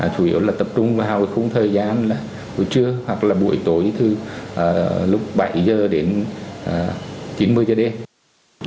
chủ yếu là tập trung vào thời gian buổi trưa hoặc buổi tối từ lúc bảy h đến chín mươi h đêm